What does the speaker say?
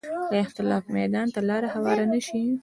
د اختلاف میدان ته لاره هواره نه شي